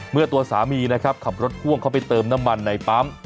เมื่อตัวสามีนะครับขับรถพ่วงเข้าไปเติมน้ำมันในปั๊ม